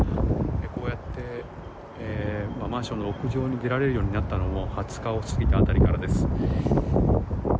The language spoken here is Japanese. こうやってマンションの屋上に出られるようになったのも２０日を過ぎた辺りからです。